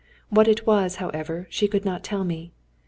What it was, however, she could not tell me.